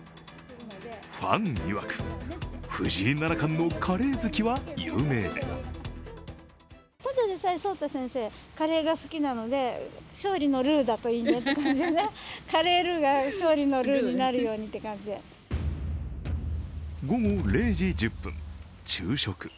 ファンいわく、藤井七冠のカレー好きは有名で午後０時１０分、昼食。